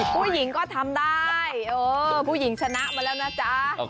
ผู้หญิงก็ทำได้ผู้หญิงชนะมาแล้วนะจ๊ะ